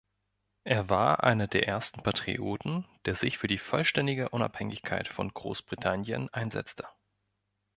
Er war einer der ersten Patrioten, der sich für die vollständige Unabhängigkeit von Großbritannien einsetzte.